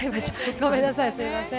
ごめんなさい、すみません。